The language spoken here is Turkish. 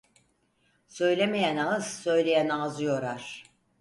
Söylemeyen ağız, söyleyen ağzı yorar.